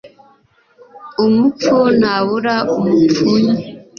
umupfu ntabura umupfunya